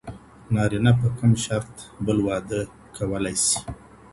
نارینه په کوم شرط بل واده کولای سي؟